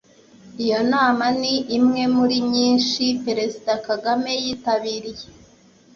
Iyo nama ni imwe muri nyinshi Perezida Kagame yitabiriye